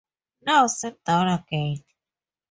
Now sit down again.